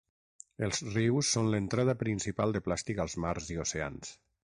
Els rius són l’entrada principal de plàstic als mars i oceans.